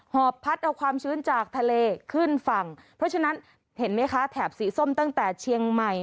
อบพัดเอาความชื้นจากทะเลขึ้นฝั่งเพราะฉะนั้นเห็นไหมคะแถบสีส้มตั้งแต่เชียงใหม่